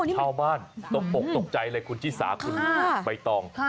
ชาวบ้านตกอกตกใจเลยคุณชิสาคุณใบตอง